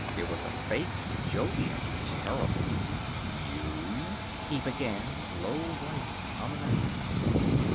It was a face Jovian, terrible. "You!" he began, low voiced, ominous.